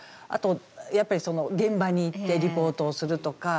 やっぱり、現場に行ってリポートをするとか。